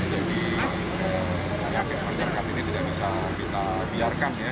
jadi banyak yang masih dikatakan ini tidak bisa kita biarkan ya